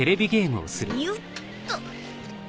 よっと。